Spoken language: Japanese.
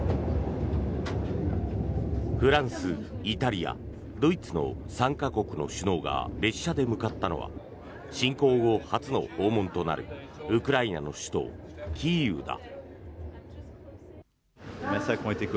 フランス、イタリア、ドイツの３か国の首脳が列車で向かったのは侵攻後初の訪問となるウクライナの首都キーウだ。